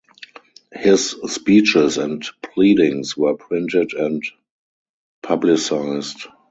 His speeches and pleadings were printed and publicized.